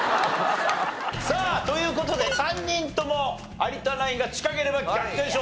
さあという事で３人とも有田ナインが近ければ逆転勝利。